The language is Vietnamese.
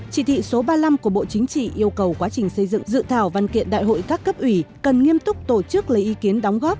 chỉ thị số ba mươi năm của bộ chính trị yêu cầu quá trình xây dựng dự thảo văn kiện đại hội các cấp ủy cần nghiêm túc tổ chức lấy ý kiến đóng góp